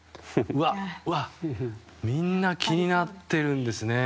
うわ、みんな気になってるんですね。